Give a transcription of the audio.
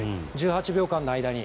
１８秒間の間に。